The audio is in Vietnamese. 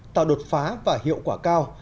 tạo đột phá và hiệu quả cao